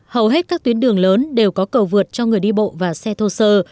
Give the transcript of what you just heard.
hầu hết các tuyến đường lớn đều có cầu vượt cho người đi bộ và xe thô sơ